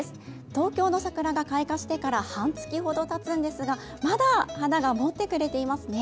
東京の桜が開花してから半月ほどたつんですがまだ花がもってくれていますね。